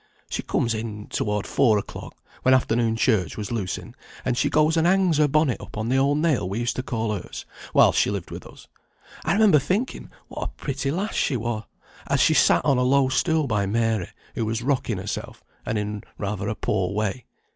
She comes in, toward four o'clock, when afternoon church was loosing, and she goes and hangs her bonnet up on the old nail we used to call hers, while she lived with us. I remember thinking what a pretty lass she was, as she sat on a low stool by Mary, who was rocking herself, and in rather a poor way.